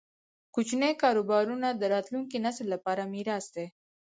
کوچني کاروبارونه د راتلونکي نسل لپاره میراث دی.